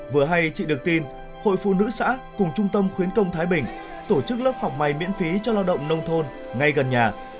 vừa hay chị được tin hội phụ nữ xã cùng trung tâm khuyến công thái bình tổ chức lớp học mày miễn phí cho lao động nông thôn ngay gần nhà